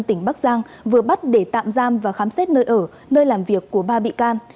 tỉnh bắc giang vừa bắt để tạm giam và khám xét nơi ở nơi làm việc của ba bị can